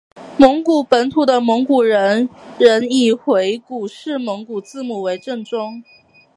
蒙古本土的蒙古人仍以回鹘式蒙古字母为正宗。